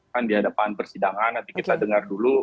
kan di hadapan persidangan nanti kita dengar dulu